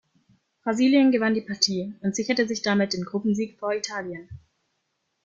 Brasilien gewann die Partie und sicherte sich damit den Gruppensieg vor Italien.